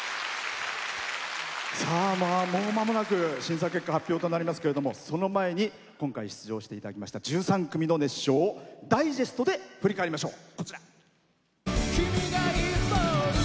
もうまもなく、審査結果発表となりますけどその前に、今回出場していただきました１３組の熱唱をダイジェストで振り返りましょう。